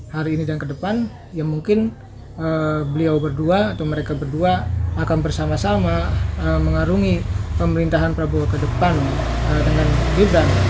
hari ini dan ke depan ya mungkin beliau berdua atau mereka berdua akan bersama sama mengarungi pemerintahan prabowo ke depan dengan gibran